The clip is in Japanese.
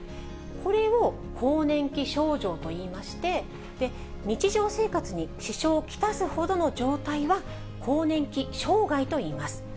これを更年期症状といいまして、日常生活に支障を来すほどの状態は、更年期障害といいます。